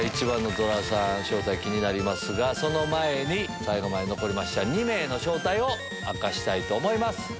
１番のトラさん正体気になりますがその前に最後まで残りました２名の正体を明かします。